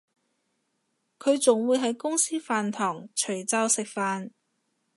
佢仲會喺公司飯堂除罩食飯